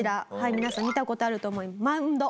皆さん見た事あるとマウンド。